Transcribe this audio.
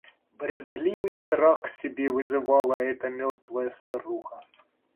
Брезгливый страх к себе вызывала эта мертвая старуха.